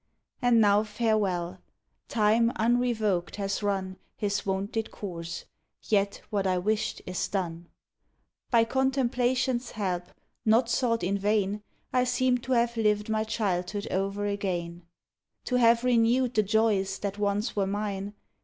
And now, farewell! Time, unrevoked, has run His wonted course; yet what I wished is done. I*y contemplation's help, not sought in vain, I seem to have lived my childhood o'er again, — To have renewed the joys that once were mine.